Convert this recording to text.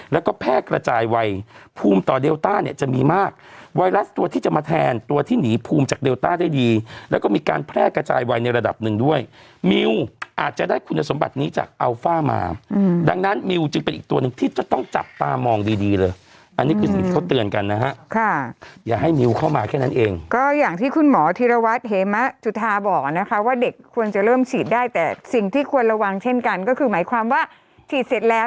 แล้วก็มีการแพร่กระจายวัยในระดับหนึ่งด้วยมิวอาจจะได้คุณสมบัตินี้จากอัลฟ่ามาดังนั้นมิวจึงเป็นอีกตัวหนึ่งที่จะต้องจับตามองดีเลยอันนี้คือสิ่งที่เขาเตือนกันนะฮะค่ะอย่าให้มิวเข้ามาแค่นั้นเองก็อย่างที่คุณหมอธิระวัติเฮมะจุธาบอกนะคะว่าเด็กควรจะเริ่มฉีดได้แต่สิ่งที่ควรระวังเช่